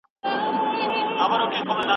تر غرمي پورې مي کار خلاص کړی و.